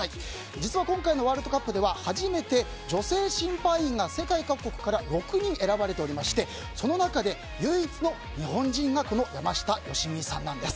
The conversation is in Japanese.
実は今回のワールドカップでは初めて女性審判員が世界各国から６人選ばれておりましてその中で唯一の日本人がこの山下良美さんなんです。